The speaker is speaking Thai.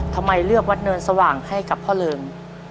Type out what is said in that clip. ทำไมเลือกวัดเนินสว่างให้กับพ่อเริง